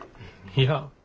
いや。